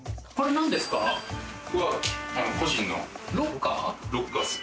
これは個人のロッカーっす。